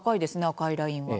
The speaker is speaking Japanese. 赤いラインは。